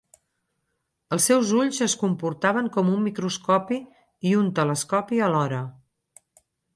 Els seus ulls es comportaven com un microscopi i un telescopi alhora.